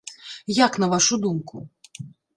Як на вашу думку?